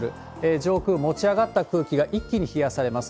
上空、持ち上がった空気が一気に冷やされます。